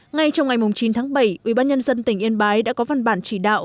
ngay trong ngày chín tháng bảy ủy ban nhân dân tỉnh yên bái đã có văn bản chỉ đạo